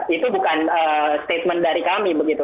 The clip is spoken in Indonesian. itu bukan statement dari kami begitu